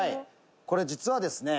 「これ実はですね